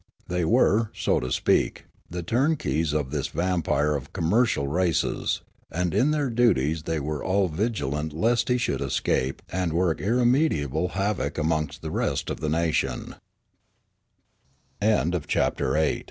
They were, so to speak, the turnkeys of this vampire of commercial races ; and in their duties they were all vigilant lest he should escape and work irremediable havoc amongst the rest of the n